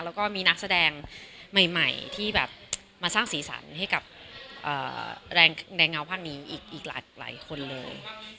แล้วก็มีนักแสดงใหม่ที่แบบมาสร้างสีสันให้กับแรงเงาภาคนี้อีกหลายคนเลย